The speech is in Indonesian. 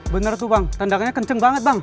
bener tuh bang tendangannya kenceng banget bang